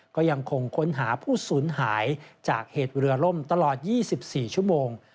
ก็ยังคงค้นหาผู้สูญหายจากเหตุเรือล่มตลอด๒๔ชั่วโมง